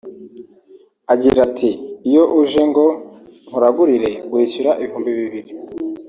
Agira ati “Iyo uje ngo nkuragurire wishyura ibihumbi bibiri